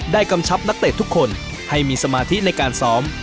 กำชับนักเตะทุกคนให้มีสมาธิในการซ้อม